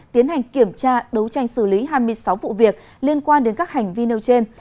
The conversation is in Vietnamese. tiến hành kiểm tra đấu tranh xử lý hai mươi sáu vụ việc liên quan đến các hành vi nêu trên